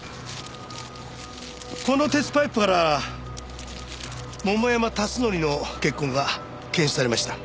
この鉄パイプから桃山辰徳の血痕が検出されました。